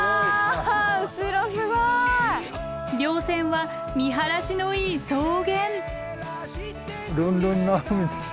稜線は見晴らしのいい草原。